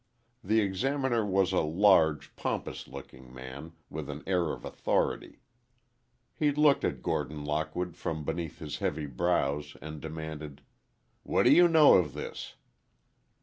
The Examiner was a large, pompous looking man, with an air of authority. He looked at Gordon Lockwood from beneath his heavy brows, and demanded, "What do you know of this?"